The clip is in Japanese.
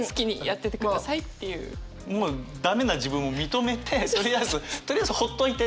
もはや駄目な自分も認めてとりあえずとりあえずほっといて。